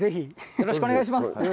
よろしくお願いします！